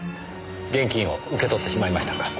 現金を受け取ってしまいましたか？